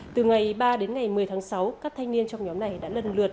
từ ngày ba đến ngày một mươi tháng sáu các thanh niên trong nhóm này đã lần lượt